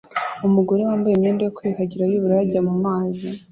umugore wambaye imyenda yo kwiyuhagira yubururu ujya mumazi